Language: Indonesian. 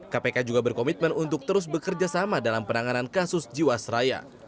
kpk juga berkomitmen untuk terus bekerja sama dalam penanganan kasus jiwasraya